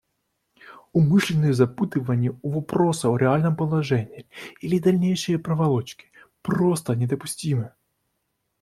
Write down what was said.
Умышленное запутывание вопроса о реальном положении или дальнейшие проволочки просто недопустимы.